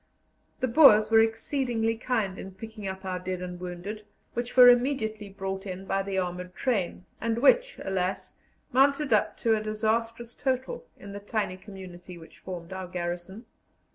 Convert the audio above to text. The Boers were exceedingly kind in picking up our dead and wounded, which were immediately brought in by the armoured train, and which, alas! mounted up to a disastrous total in the tiny community which formed our garrison.